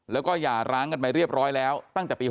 แล้วก็หย่าร้างกันไปเรียบร้อยแล้วตั้งแต่ปี๒๕